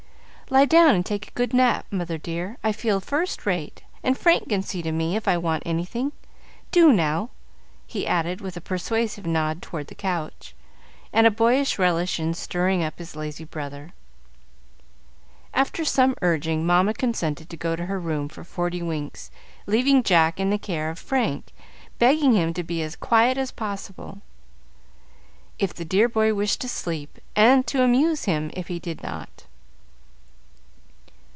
"Lie down and take a good nap, mother dear, I feel first rate, and Frank can see to me if I want anything. Do, now," he added, with a persuasive nod toward the couch, and a boyish relish in stirring up his lazy brother. After some urging, Mamma consented to go to her room for forty winks, leaving Jack in the care of Frank, begging him to be as quiet as possible if the dear boy wished to sleep, and to amuse him if he did not.